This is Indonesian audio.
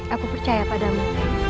aku percaya padamu